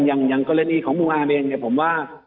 ยิ่งอย่างกรณีของมุมอาเมนผมว่า